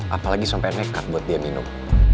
apalagi sampai nekat buat dia minum